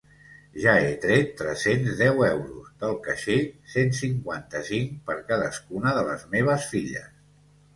Ja he tret tres-cents deu euros del caixer, cent cinquanta-cinc per cadascuna de les meves filles.